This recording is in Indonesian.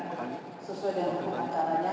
sesuai dengan hukum acaranya